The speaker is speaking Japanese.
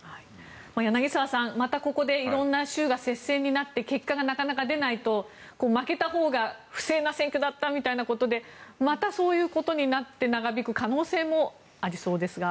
柳澤さんまたここで色んな州が接戦になって結果がなかなか出ないと負けたほうが不正な選挙だったみたいなことでまたそういうことになって長引く可能性もありそうですが。